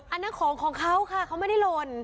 อันนั้นของของเขาค่ะเขาไม่ได้หล่น